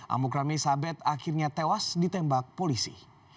amokrane sabet akhirnya tewas ditembak polisi